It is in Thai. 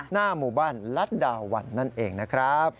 หน้าหมู่บ้านรัฐดาวันนั่นเองนะครับ